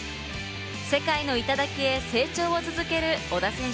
世界の頂へ、成長続ける小田選手。